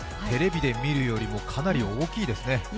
テレビで見るよりもかなり大きいですね。